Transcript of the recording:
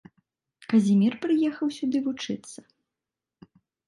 Казімір прыехаў сюды вучыцца.